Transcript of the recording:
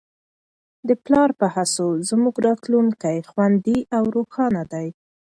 د پلار په هڅو زموږ راتلونکی خوندي او روښانه دی.